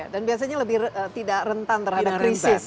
dan biasanya lebih tidak rentan terhadap krisis